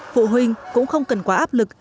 phụ huynh cũng không cần quá áp lực